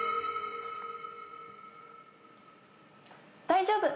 大丈夫！